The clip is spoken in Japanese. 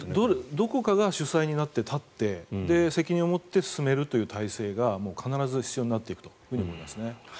どこかが主催になって立って責任を持って進めるという体制が必ず必要になっていくと思いますね。